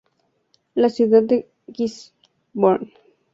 La ciudad de Gisborne se encuentra en el extremo norte de Poverty Bay.